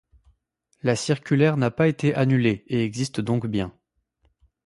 La circulaire n'a pas été annulée, et existe donc bien.